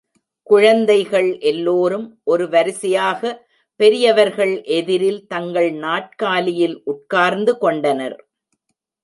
குழந்தைகள் எல்லோரும் ஒரு வரிசையாக பெரியவர்கள் எதிரில் தங்கள் நாற்காலியில் உட்கார்ந்து கொண்டனர்.